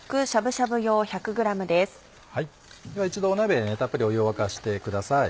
では一度鍋でねたっぷり湯を沸かしてください。